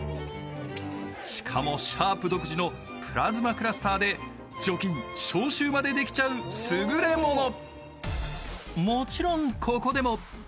しかもシャープ独自のプラズマクラスターで除菌・消臭までできちゃう優れモノ。